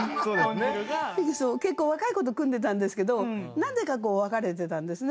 結構若い子と組んでたんですけどなぜか別れてたんですね